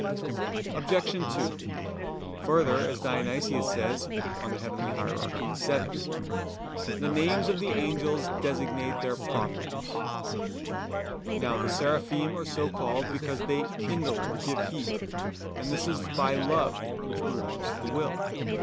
Obj. 2: Further, as Dionysius says (Coel. Hier. vii): "The names of the angels designate their properties." Now the Seraphim are so called because they "kindle" or "give heat": and this is by love which belongs to the will.